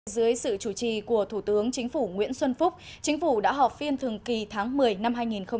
dưới sự chủ trì của thủ tướng chính phủ nguyễn xuân phúc chính phủ đã họp phiên thường kỳ tháng một mươi năm hai nghìn một mươi chín